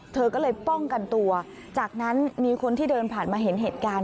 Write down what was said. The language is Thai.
เธอก็เลยป้องกันตัวจากนั้นมีคนที่เดินผ่านมาเห็นเหตุการณ์